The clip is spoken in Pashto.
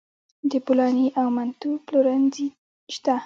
د بولاني او منتو پلورنځي شته